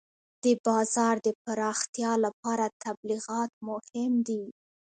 د بازار د پراختیا لپاره تبلیغات مهم دي.